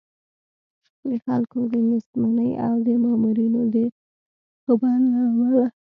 د خلکو د نېستمنۍ او د مامورینو د غبن له امله.